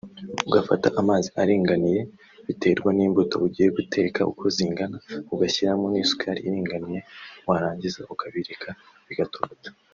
ugafata amazi aringaniye biterwa n’imbuto ugiye guteka uko zingana ugashyiramo n’isukari iringaniye warangiza akabireka bigatogota